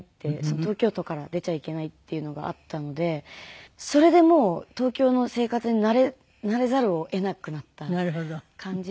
東京都から出ちゃいけないっていうのがあったのでそれでもう東京の生活に慣れざるを得なくなった感じで